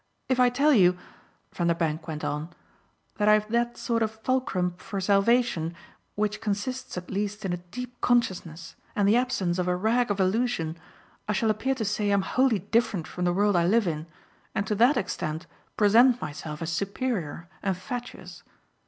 If I tell you," Vanderbank went on, "that I've that sort of fulcrum for salvation which consists at least in a deep consciousness and the absence of a rag of illusion, I shall appear to say I'm wholly different from the world I live in and to that extent present myself as superior and fatuous.